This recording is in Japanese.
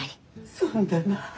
そうだな。